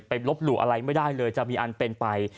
ลบหลู่อะไรไม่ได้เลยจะมีอันเป็นไป